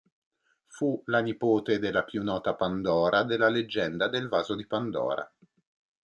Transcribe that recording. Fu la nipote della più nota Pandora della leggenda del Vaso di Pandora.